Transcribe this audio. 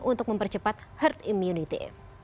untuk mempercepat herd immunity